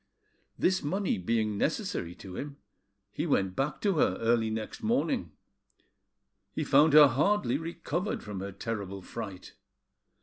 This money being necessary to him, he went back to her early next morning. He found her hardly recovered from her terrible fright.